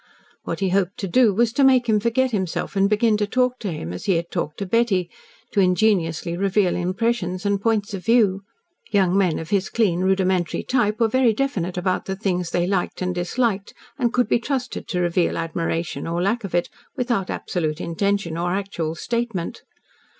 What he hoped to do was to make him forget himself and begin to talk to him as he had talked to Betty, to ingenuously reveal impressions and points of view. Young men of his clean, rudimentary type were very definite about the things they liked and disliked, and could be trusted to reveal admiration, or lack of it, without absolute intention or actual statement.